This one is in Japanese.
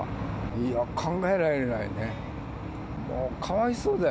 いや、考えられないね。